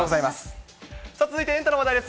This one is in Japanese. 続いて、エンタの話題です。